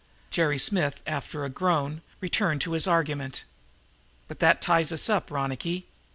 Jerry Smith, after a groan, returned to his argument. "But that ties us up, Ronicky.